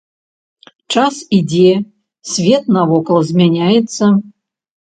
Час ідзе, свет навокал змяняецца.